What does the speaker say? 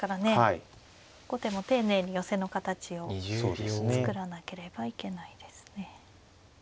後手も丁寧に寄せの形を作らなければいけないですね。